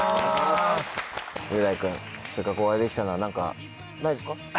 雄大君せっかくお会いできたから何かないですか？